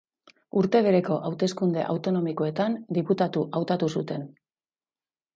Urte bereko hauteskunde autonomikoetan, diputatu hautatu zuten.